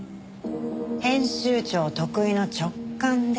編集長得意の直感ですね。